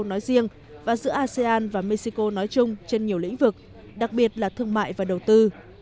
nói riêng và giữa asean và mexico nói chung trên nhiều lĩnh vực đặc biệt là thương mại và đầu tư